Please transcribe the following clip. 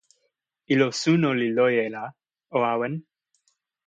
ilo suno li loje la o awen.